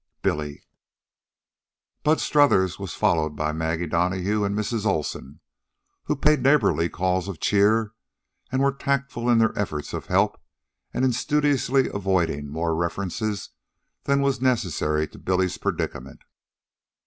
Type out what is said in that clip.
Billy. Bud Strothers was followed by Maggie Donahue, and Mrs. Olsen, who paid neighborly calls of cheer and were tactful in their offers of help and in studiously avoiding more reference than was necessary to Billy's predicament.